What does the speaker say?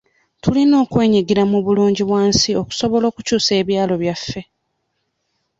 Tulina okwenyigira mu bulungibwansi okusobola okukyusa ebyalo byaffe.